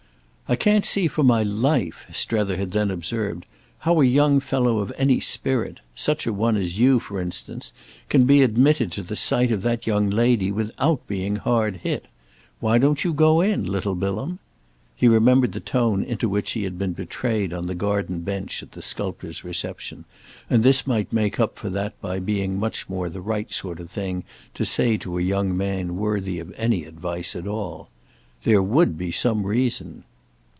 "I can't see for my life," Strether had then observed, "how a young fellow of any spirit—such a one as you for instance—can be admitted to the sight of that young lady without being hard hit. Why don't you go in, little Bilham?" He remembered the tone into which he had been betrayed on the garden bench at the sculptor's reception, and this might make up for that by being much more the right sort of thing to say to a young man worthy of any advice at all. "There would be some reason."